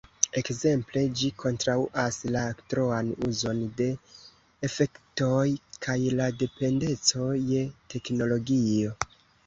Ekzemple, ĝi kontraŭas la troan uzon de efektoj kaj la dependeco je teknologio.